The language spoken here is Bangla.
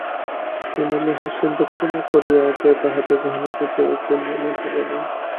কোণে লোহার সিন্দুক খোলা পড়িয়া আছে, তাহাতে গহনাপত্রের চিহ্নমাত্র নাই।